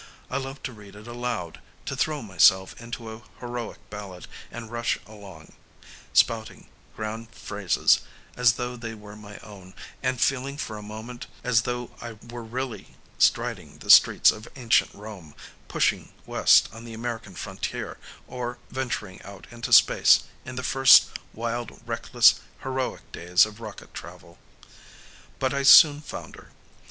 I love to read it aloud, to throw myself into a heroic ballad and rush along, spouting grand phrases as though they were my own and feeling for a moment as though I were really striding the streets of ancient Rome, pushing west on the American frontier or venturing out into space in the first wild, reckless, heroic days of rocket travel. But I soon founder.